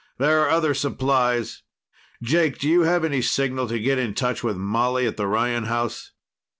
"There are other supplies. Jake, do you have any signal to get in touch with Molly at the Ryan house?"